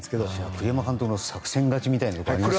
栗山監督の作戦勝ちみたいなところがありますね。